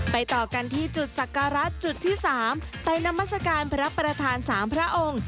ต่อกันที่จุดศักระจุดที่๓ไปนามัศกาลพระประธาน๓พระองค์